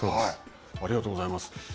ありがとうございます。